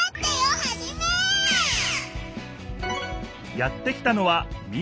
やって来たのは民